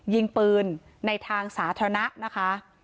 ยิงปืนในทางสาธารณะนะคะ